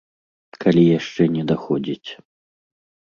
Калі яшчэ не даходзіць.